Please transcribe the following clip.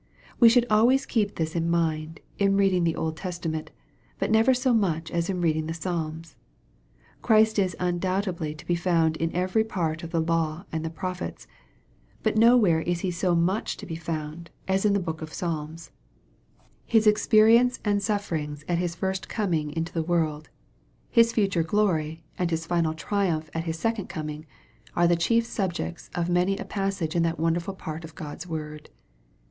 We should always keep this in mind, in reading the Old Testament, but never so much as in reading the Psalms. Christ is undoubtedly to be found in every part of the Law and the Prophets, but nowhere is He so much to be found, as in the book MAKE, CHAP. XII. 267 of Psalms. His experience and sufferings at His first coming into the world His future glory, and His final triumph at His second coming are the chief subjects of many a passage in that wonderful part of Gfod's word.